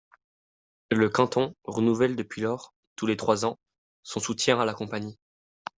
Le canton renouvelle depuis lors, tous les trois ans, son soutien à la compagnie.